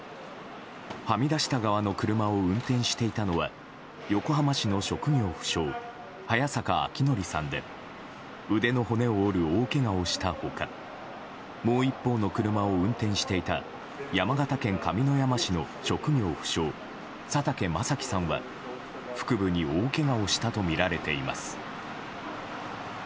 はみ出した側の車を運転していたのは横浜市の職業不詳・早坂覚啓さんで腕の骨を折る大けがをした他もう一方の車を運転していた山形県上山市の職業不詳・佐竹雅樹さんは腹部に大けがをしたとみられています。